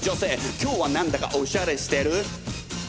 今日は何だかおしゃれしてる！